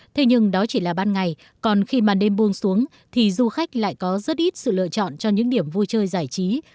thế nhưng đó chỉ là ban ngày còn khi ban đêm buông xuống thì du khách lại có rất ít sự lựa chọn cho những điểm vui chơi giải trí